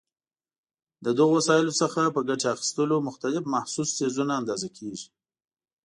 له دغو وسایلو څخه په ګټې اخیستلو مختلف محسوس څیزونه اندازه کېږي.